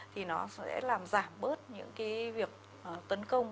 thì nó sẽ làm giảm bớt những cái việc tấn công